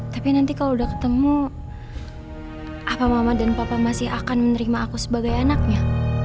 tapi nanti kalau udah ketemu apa mama dan papa masih akan menerima aku sebagai anaknya